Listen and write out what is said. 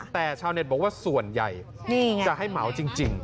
แต่ชาวเน็ตบอกว่าส่วนใหญ่จะให้เหมาจริง